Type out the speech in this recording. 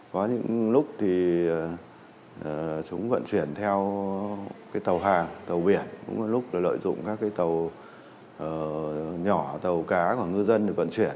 có những lúc thì chúng vận chuyển theo cái tàu hàng tàu biển cũng có lúc là lợi dụng các cái tàu nhỏ tàu cá của ngư dân để vận chuyển